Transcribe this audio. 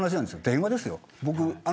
電話ですよ。